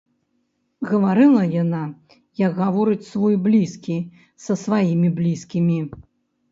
Гаварыла яна, як гаворыць свой блізкі са сваімі блізкімі.